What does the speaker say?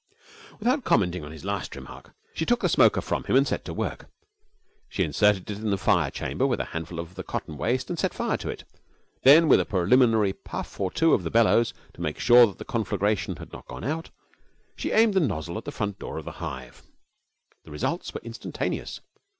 Without commenting on his last remark, she took the smoker from him and set to work. She inserted in the fire chamber a handful of the cotton waste and set fire to it; then with a preliminary puff or two of the bellows to make sure that the conflagration had not gone out, she aimed the nozzle at the front door of the hive. The results were instantaneous.